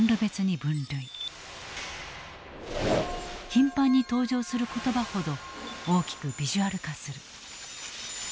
頻繁に登場する言葉ほど大きくビジュアル化する。